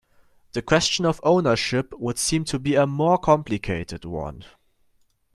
The question of ownership would seem to be a more complicated one.